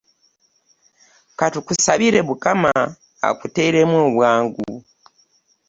Katukusabire Mukama okuteremu obwangu.